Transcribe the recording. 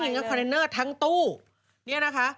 ก็ได้เงินกับคอลเลนเนอร์ทั้งตู้นี่นะฮะ